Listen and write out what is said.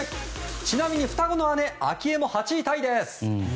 ちなみに双子の姉・明恵も８位タイです。